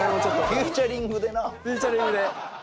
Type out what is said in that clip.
フィーチャリングで。